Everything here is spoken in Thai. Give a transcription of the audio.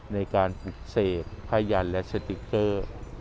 ในการปรุกเศษพยันและสติ๊คเกอร์